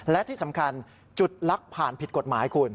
และที่สำคัญจุดลักผ่านผิดกฎหมายคุณ